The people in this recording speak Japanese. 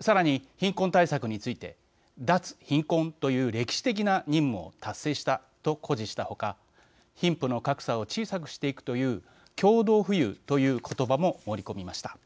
さらに貧困対策について脱貧困という歴史的な任務を達成したと誇示した他貧富の格差を小さくしていくという共同富裕という言葉も盛り込みました。